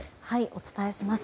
お伝えします。